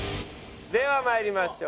ではまいりましょう。